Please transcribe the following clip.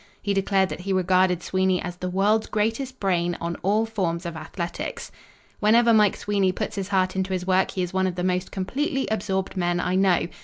He declared that he regarded Sweeney as "the world's greatest brain on all forms of athletics." Whenever Mike Sweeney puts his heart into his work he is one of the most completely absorbed men I know.